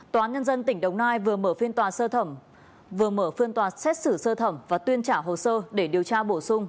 tòa nhân dân tỉnh đồng nai vừa mở phiên tòa xét xử sơ thẩm và tuyên trả hồ sơ để điều tra bổ sung